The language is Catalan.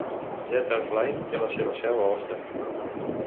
Jetairfly té la seva seu a Ostend.